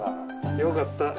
よかった。